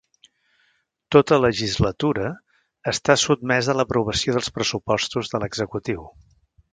Tota legislatura està sotmesa a l'aprovació dels pressuposts de l'executiu.